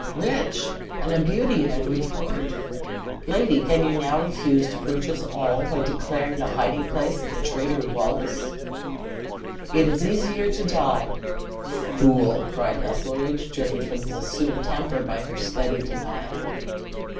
Rich, and a beauty in Edward's court! Lady, can you now refuse to purchase all, by declaring the hiding place of the traitor Wallace?" "It is easier to die!" "Fool!" cried Heselrigge, driven from his assumed temper by her steady denial.